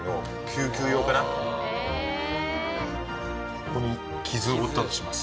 ここに傷を負ったとします。